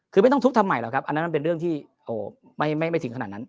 คือไม่ต้องทุบทำไมหรอกครับอันนั้นมันเป็นเรื่องที่ไม่ถึงขนาดนั้น